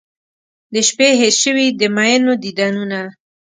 د شپې هیر شوي د میینو دیدنونه